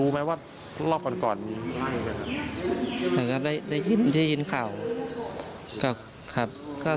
ไม่ครับ